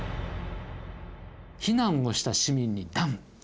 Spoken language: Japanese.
「避難をした市民に断」。